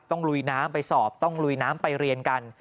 ลุยน้ำไปสอบต้องลุยน้ำไปเรียนกัน